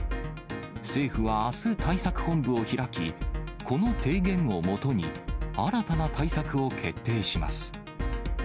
政府はあす対策本部を開き、この提言をもとに、新たな対策を決定します。